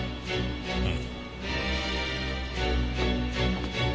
うん。